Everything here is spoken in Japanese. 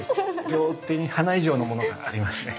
両手に花以上のものがありますね。